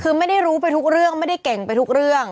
คือไม่ได้รู้ไปทุกเรื่องไม่ได้เก่งไปทุกเรื่อง